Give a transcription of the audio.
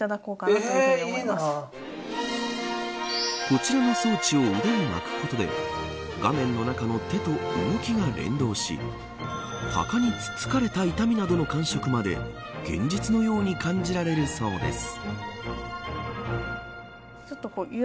こちらの装置を腕に巻くことで画面の中の手と動きが連動しタカに突かれた痛みなどの感触まで現実のように感じられるそうです。